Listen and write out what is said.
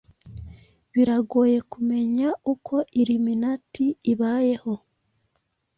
Biragoye kumenya uko Illuminati ibayeho